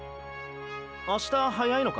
明日早いのか？